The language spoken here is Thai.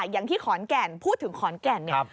อย่างที่ขอนแก่นพูดถึงขอนแก่นเนี่ย